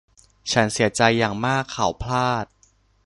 ฉันเสียใจอย่างมากเขาพลาด